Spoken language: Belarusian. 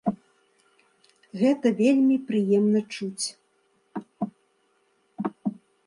Гэта вельмі прыемна чуць.